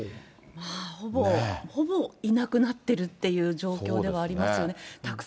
ほぼ、ほぼいなくなってるという状況ではありますよね。